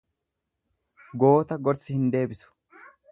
Goota gorsi hin deebisu.